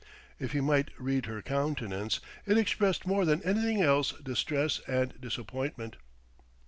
If he might read her countenance, it expressed more than anything else distress and disappointment.